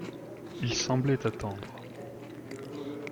Il semblait attendre.